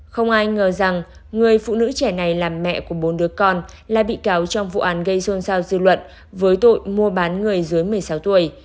không ai ngờ rằng người phụ nữ trẻ này là mẹ của bốn đứa con là bị cáo trong vụ án gây xôn xao dư luận với tội mua bán người dưới một mươi sáu tuổi